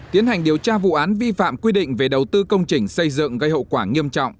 tiến hành điều tra vụ án vi phạm quy định về đầu tư công trình xây dựng gây hậu quả nghiêm trọng